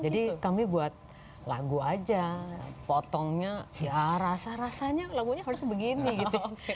jadi kami buat lagu aja potongnya ya rasa rasanya lagunya harusnya begini gitu